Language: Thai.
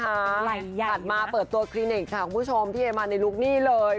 ถัดมาเปิดตัวคลินิกค่ะคุณผู้ชมพี่เอมาในลุคนี้เลย